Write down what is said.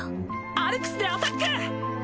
アルクスでアタック！